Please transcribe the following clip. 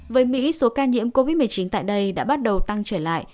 với mỹ số ca nhiễm covid một mươi chín tại đây đã bắt đầu tăng trở lại